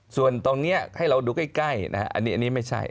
ส่วนตรงนี้ให้เราดูใกล้นะฮะอันนี้ไม่ใช่